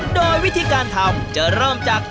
โดยวิธีการทำจะเริ่มจาก